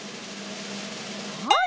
はい。